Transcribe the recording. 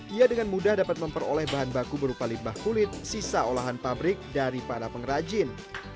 ia dengan mudah dapat memperoleh bahan baku berupa limbah kulit sisa olahan pabrik dari para pengrajin